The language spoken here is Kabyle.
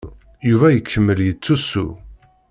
Yuba ikemmel yettusu.